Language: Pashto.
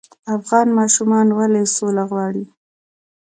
افغان ماشومان ولې سوله غواړي؟